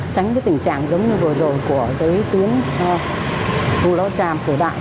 tránh tình trạng giống như vừa rồi của tuyến lô tràm cổ đại